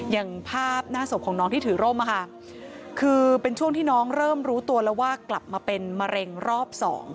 อย่างภาพหน้าศพของน้องที่ถือร่มคือเป็นช่วงที่น้องเริ่มรู้ตัวแล้วว่ากลับมาเป็นมะเร็งรอบ๒